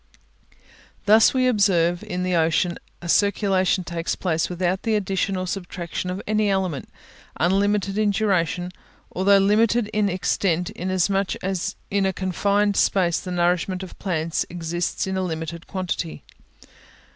Thus we observe in the ocean a circulation takes place without the addition or subtraction of any element, unlimited in duration, although limited in extent, inasmuch as in a confined space the nourishment of plants exists in a limited quantity.